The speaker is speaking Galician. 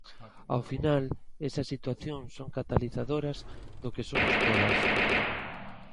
Ao final esas situacións son catalizadoras do que somos todas.